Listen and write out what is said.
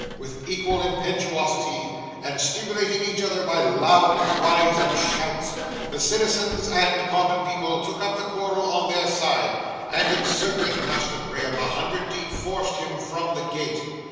With equal impetuosity, and stimulating each other by loud cries and shouts, the citizens and common people took up the quarrel on their side, and encircling Master Graham a hundred deep, forced him from the gate.